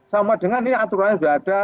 sama dengan ini aturan yang kita lakukan sekarang